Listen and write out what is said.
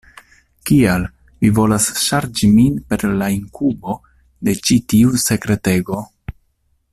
Kial vi volas ŝarĝi min per la inkubo de ĉi tiu sekretego?